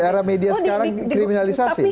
ada media sekarang kriminalisasi